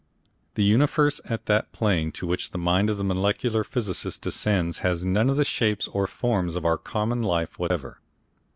The universe at that plane to which the mind of the molecular physicist descends has none of the shapes or forms of our common life whatever.